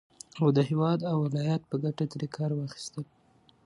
او د هېواد او ولايت په گټه ترې كار واخيستل